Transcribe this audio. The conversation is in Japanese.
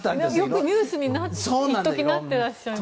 よくニュースに一時なってらっしゃいました。